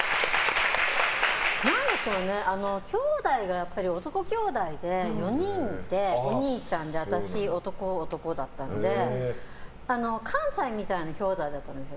何でしょうね、きょうだいが男きょうだいで、４人いてお兄ちゃんで私、男、男だったので関西みたいなきょうだいだったんですよ。